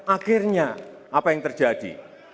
akhirnya apa yang terjadi